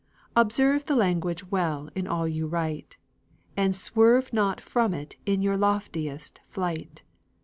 Observe the language well in all you write, And swerve not from it in your loftiest flight.